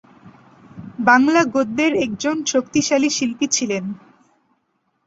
বাংলা গদ্যের একজন শক্তিশালী শিল্পী ছিলেন।